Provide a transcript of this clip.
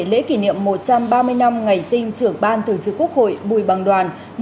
lễ kỷ niệm một trăm ba mươi năm ngày sinh trưởng ban tưởng chức quốc hội bùi bằng đoàn